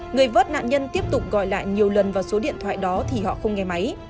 người vớt nạn nhân tiếp tục gọi lại nhiều lần vào số điện thoại đó thì họ không nghe máy